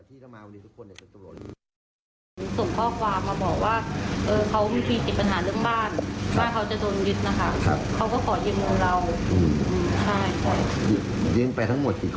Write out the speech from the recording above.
ก็มีส่วนมาว่าขอยุ่งต่างแสนเราก็ช่วยได้เท่าที่เราช่วยได้